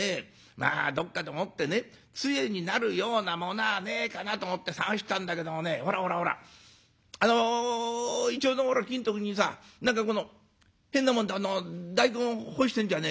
まあどっかでもってねつえになるようなものはねえかなと思って探したんだけどもねほらほらほらあのいちょうの木のとこにさ何かこの変なもんで大根干してんじゃねえかよ。